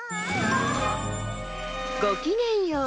ごきげんよう。